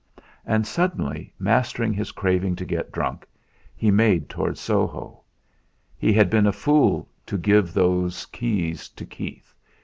And suddenly, mastering his craving to get drunk, he made towards Soho. He had been a fool to give those keys to Keith.